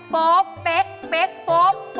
แม่เป๊กโป๊บ